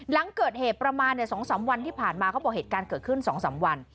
หลังเกิดเหตุประมาณ๒๓วันที่ผ่านมาเขาบอกเหตุการณ์เกิดขึ้น๒๓วัน